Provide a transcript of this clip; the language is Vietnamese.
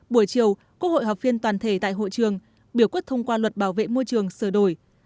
buổi chiều quốc hội họp phiên toàn thể tại hội trường biểu quyết thông qua luật bảo vệ môi trường sửa đổi